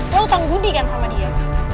gue utang budi kan sama dia